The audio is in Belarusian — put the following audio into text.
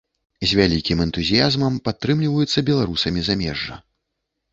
З вялікім энтузіязмам падтрымліваюцца беларусамі замежжа.